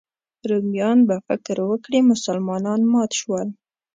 رومیان به فکر وکړي مسلمانان مات شول.